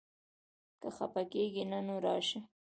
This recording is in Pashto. که خپه کېږې نه؛ نو راشه!